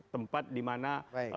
tempat di mana